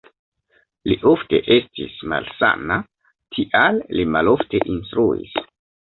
Li ofte estis malsana, tial li malofte instruis.